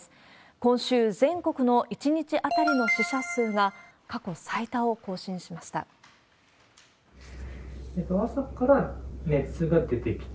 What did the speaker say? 今週、全国の１日当たりの死者数が、過去最多を更新しました。